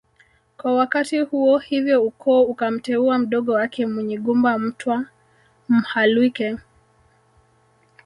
Kwa wakati huo hivyo ukoo ukamteua mdogo wake Munyigumba Mtwa Mhalwike